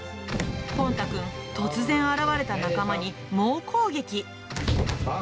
ぽん太くん、突然現れた仲間に猛攻撃。